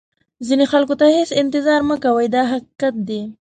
ځینو خلکو ته هېڅ انتظار مه کوئ دا حقیقت دی.